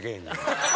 ハハハハ！